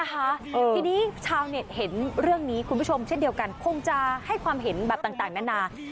ทีนี้ชาวเน็ตเห็นเรื่องนี้คุณผู้ชมเช่นเดียวกันคงจะให้ความเห็นแบบต่างนานา